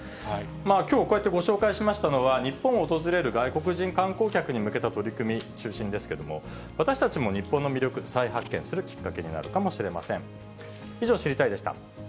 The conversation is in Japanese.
きょう、こうやってご紹介しましたのは、日本を訪れる外国人観光客に向けた取り組みが中心ですけれども、私たちも日本の魅力、再発見するきっかけになるかもしれません。